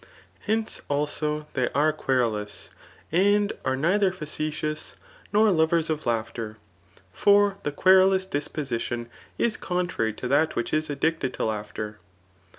Hence, also, they are queni« lous, and are neither facetious, nor lovers of laughter; &r the querulous disposition is contrary to that which is addicted to laughter.